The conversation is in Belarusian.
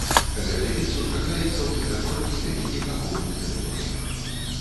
Гэты від сустракаецца ў некалькіх невялікіх ахоўных тэрыторыях.